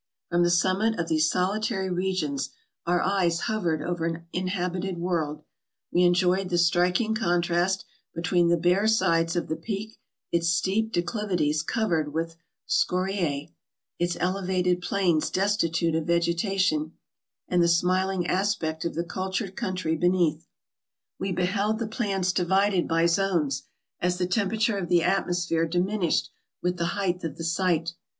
From the summit of these solitary regions our eyes hovered over an inhabited world ; we enjoyed the striking contrast between the bare sides of the Peak, its steep declivities covered with scoriae, its elevated plains destitute of vegetation, and the smiling aspect of the cultured country MISCELLANEOUS 413 beneath; we beheld the plants divided by zones, as the tem perature of the atmosphere diminished with the height of the site.